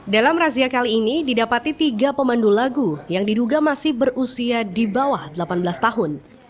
dalam razia kali ini didapati tiga pemandu lagu yang diduga masih berusia di bawah delapan belas tahun